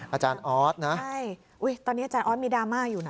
อาจารย์ออสนะใช่อุ้ยตอนนี้อาจารย์ออสดมีดราม่าอยู่นะ